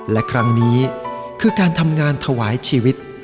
และครั้งนี้คือการทำงานถวายชีวิต